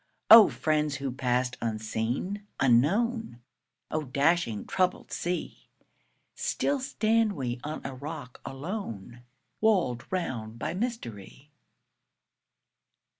O friends who passed unseen, unknown! O dashing, troubled sea! Still stand we on a rock alone, Walled round by mystery.